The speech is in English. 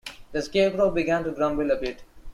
The Scarecrow began to grumble a bit.